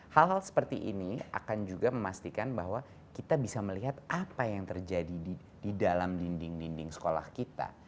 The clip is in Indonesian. hal hal seperti ini akan juga memastikan bahwa kita bisa melihat apa yang terjadi di dalam dinding dinding sekolah kita